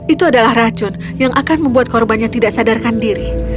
itu adalah racun yang akan membuat korbannya tidak sadarkan diri